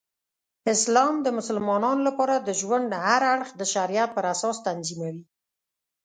اسلام د مسلمانانو لپاره د ژوند هر اړخ د شریعت پراساس تنظیموي.